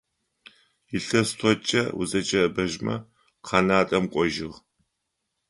Илъэс тIокIкIэ узэкIэIэбэжьмэ Канадэм кIожьыгъ.